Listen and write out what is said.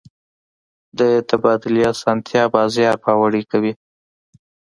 د تبادلې اسانتیا بازار پیاوړی کوي.